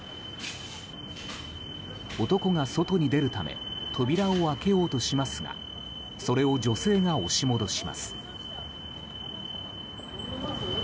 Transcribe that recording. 男が外に出るため扉を開けようとしますがそれを女性が押し戻します。